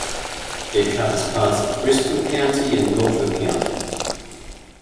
It covers parts of Bristol County and Norfolk County.